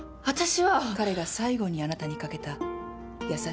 彼が最後にあなたにかけた優しい言葉。